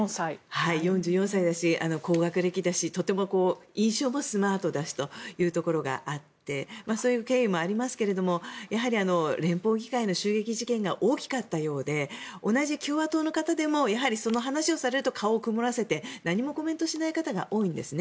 ４４歳だし高学歴だし、とても印象もスマートだしというところがあってそういう経緯もありますがやはり、連邦議会の襲撃事件が大きかったようで同じ共和党の方でもその話をされると顔を曇らせて何もコメントしない方が多いんですね。